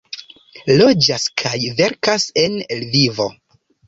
Loĝas kaj verkas en Lvivo.